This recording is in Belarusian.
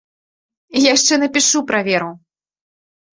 Яшчэ напішу пра веру.